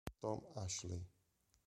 Tom Ashley